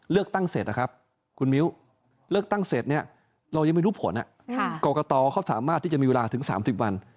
เลือกตั้งเสร็จนะครับคุณมิ้วเลือกตั้งเสร็จเนี่ยเรายังไม่รู้ผลกรกตเขาสามารถที่จะมีเวลาถึง๓๐วัน